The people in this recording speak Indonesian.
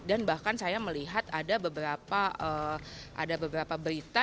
dan bahkan saya melihat ada beberapa berita